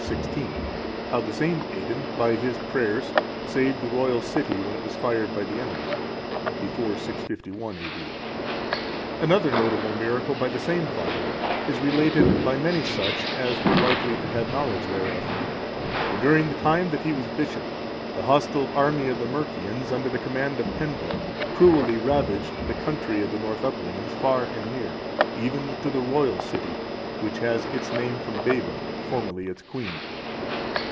XVI. How the same Aidan, by his prayers, saved the royal city when it was fired by the enemy [Before 651 A.D.] Another notable miracle of the same father is related by many such as were likely to have knowledge thereof; for during the time that he was bishop, the hostile army of the Mercians, under the command of Penda, cruelly ravaged the country of the Northumbrians far and near, even to the royal city,(368) which has its name from Bebba, formerly its queen.